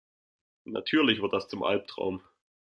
Natürlich wird das zum Albtraum.